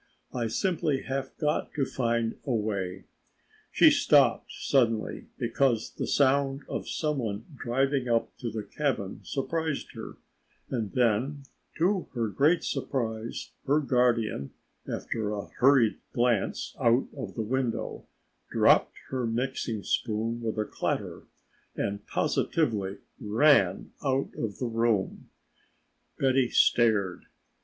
I simply have got to find a way." She stopped suddenly because the sound of some one driving up to the cabin surprised her, and then, to her greater surprise, her guardian, after a hurried glance out of the window, dropped her mixing spoon with a clatter and positively ran out of the room. Betty stared.